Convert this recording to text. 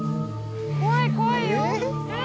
怖い怖いよ。